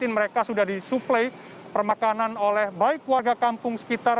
mereka sudah disuplai permakanan oleh baik warga kampung sekitar